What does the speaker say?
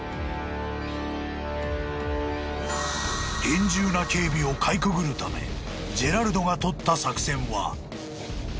［厳重な警備をかいくぐるためジェラルドがとった］